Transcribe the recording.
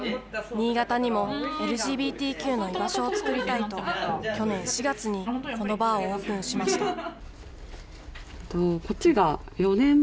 新潟にも、ＬＧＢＴＱの居場所を作りたいと、去年４月に、このバーをオープンしました。